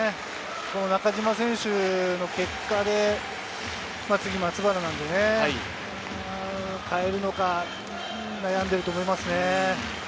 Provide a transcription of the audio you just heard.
中島選手の結果で、次、松原なので、代えるのか悩んでると思いますね。